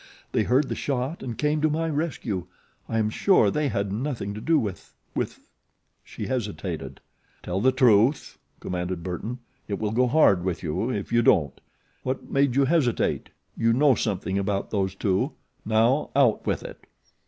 They heard the shot and came to my rescue. I am sure they had nothing to do with with " she hesitated. "Tell the truth," commanded Burton. "It will go hard with you if you don't. What made you hesitate? You know something about those two now out with it."